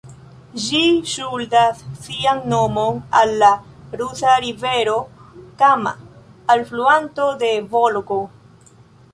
Ĝi ŝuldas sian nomon al la rusa rivero Kama, alfluanto de Volgo.